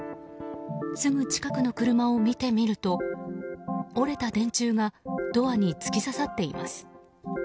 すぐ近くの車を見てみると折れた電柱がドアに突き刺さっています。